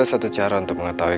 satu cara untuk mengetahui